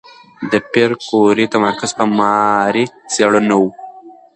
د پېیر کوري تمرکز په ماري څېړنو و.